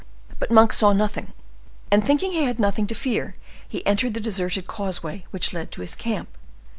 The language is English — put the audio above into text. But Monk saw nothing; and thinking he had nothing to fear, he entered the deserted causeway which led to his camp.